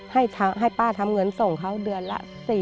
ให้ป้าทำเงินส่งเขาเดือนละ๔๐๐